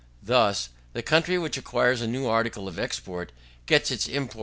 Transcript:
Thus, the country which acquires a new article of export gets its imports cheaper.